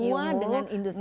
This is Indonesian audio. semua dengan industri